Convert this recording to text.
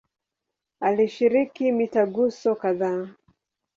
Alishiriki mitaguso kadhaa.